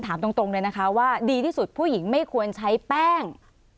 ถามตรงเลยนะคะว่าดีที่สุดผู้หญิงไม่ควรใช้แป้ง